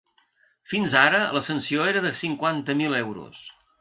Fins ara, la sanció era de cinquanta mil euros.